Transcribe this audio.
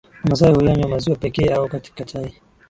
Wamasai huyanywa maziwa pekee au katika chai